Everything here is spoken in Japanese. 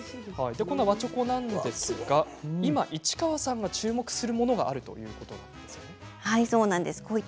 和チョコなんですが今市川さんが注目するものがあるということですね。